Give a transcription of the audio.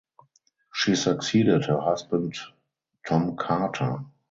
She succeeded her husband Tom Carter.